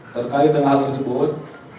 terkait dengan hal tersebut